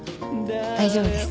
大丈夫です。